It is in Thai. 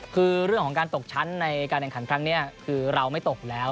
คือเรื่องของการตกชั้นในการแข่งขันครั้งนี้คือเราไม่ตกอยู่แล้ว